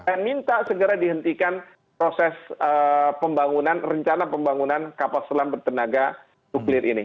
dan minta segera dihentikan proses pembangunan rencana pembangunan kapal selam bertenaga nuklir ini